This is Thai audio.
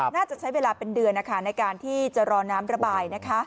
น่าจะใช้เวลาเป็นเดือนนะคะในการที่จะรอน้ำระบายนะคะ